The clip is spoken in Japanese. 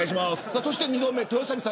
そして２度目、豊崎さん